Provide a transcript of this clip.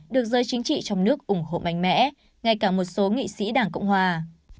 được giới chính trị trong nước ủng hộ mạnh mẽ ngay cả một số nghị sĩ đảng cộng hòa